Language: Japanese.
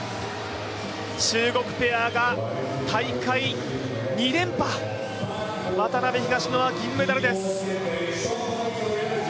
中国ペアが大会２連覇、渡辺・東野は銀メダルです。